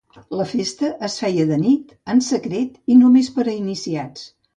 La festa es feia de nit, en secret, i només per iniciats.